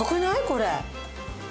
これ。